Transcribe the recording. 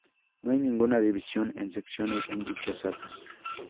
No hay ninguna división en secciones en dichas salas.